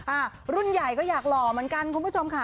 อ่ารุ่นใหญ่ก็อยากหล่อเหมือนกันคุณผู้ชมค่ะ